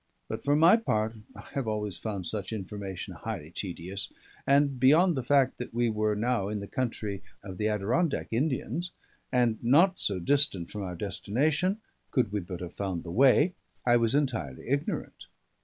But for my part I have always found such information highly tedious; and beyond the fact that we were now in the country of the Adirondack Indians, and not so distant from our destination, could we but have found the way, I was entirely ignorant.